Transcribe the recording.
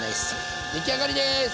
出来上がりです！